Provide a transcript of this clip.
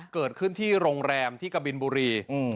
เกิดขึ้นที่โรงแรมที่กะบินบุรี